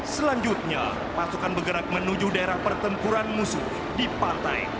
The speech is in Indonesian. selanjutnya pasukan bergerak menuju daerah pertempuran musuh di pantai